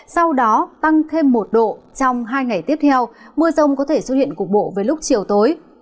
sau đó tăng thêm một độ trong hai ngày tiếp theo mưa rông có thể xuất hiện cục bộ với lúc chiều tối